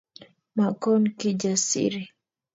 Makon Kijasiri